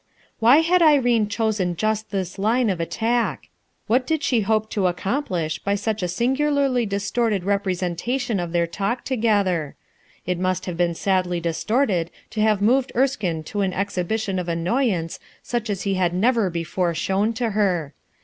Why had Irene chosen just this line of attack ? What did she hope to accomplish by such a sin gularly distorted representation of their talk together? It must have been sadly distorted to have moved Erskine to an exhibition of annoyance such as he had never before shown to her.